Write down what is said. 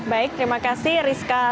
baik terima kasih rizka